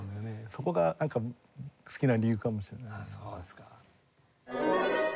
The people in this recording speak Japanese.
そこがなんか好きな理由かもしれない。